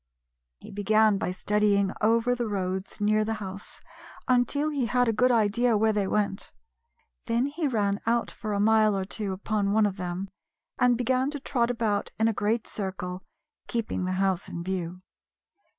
He began by studying over the roads near the house until he had a good idea where they went. Then he ran out for a mile or two upon one of them, and began to trot about in a great circle, keeping the house in view.